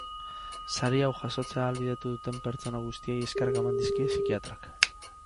Sari hau jasotzea ahalbidetu duten pertsona guztiei eskerrak eman dizkie psikiatrak.